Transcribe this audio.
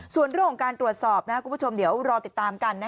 ส่วนเรื่องการตรวจสอบเดี๋ยวรอติดตามกัน